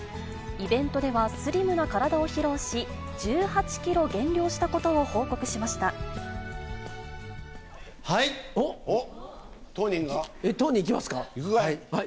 イベントではスリムな体を披露し、１８キロ減量したことを報告しまはい。